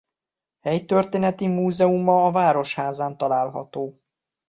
Helytörténeti múzeuma a Városházán található.